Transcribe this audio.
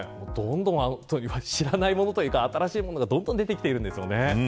知らないものというか新しいものが、どんどん出てきているんですよね。